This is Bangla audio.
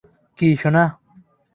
কী, সোনা?